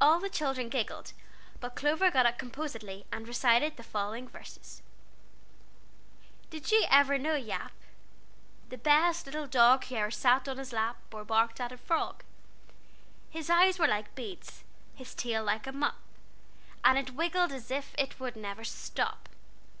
All the children giggled, but Clover got up composedly, and recited the following verses: "Did you ever know Yap? The best little dog Who e'er sat on lap Or barked at a frog. "His eyes were like beads, His tail like a mop, And it waggled as if It never would stop.